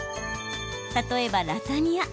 例えば、ラザニア。